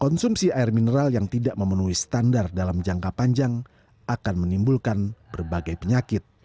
konsumsi air mineral yang tidak memenuhi standar dalam jangka panjang akan menimbulkan berbagai penyakit